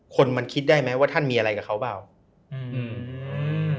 คนมันคิดได้ไหมว่าท่านมีอะไรกับเขาเปล่าอืม